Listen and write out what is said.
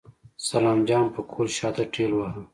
سلام جان پکول شاته ټېلوهه.